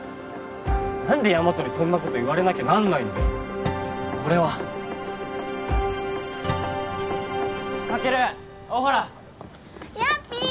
何でヤマトにそんなこと言われなきゃなんないんだよ俺はカケル大原やっぴー！